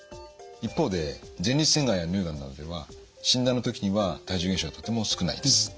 一方で前立腺がんや乳がんなどでは診断の時には体重減少はとても少ないです。